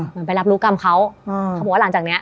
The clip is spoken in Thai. เหมือนไปรับรู้กรรมเขาเขาบอกว่าหลังจากเนี้ย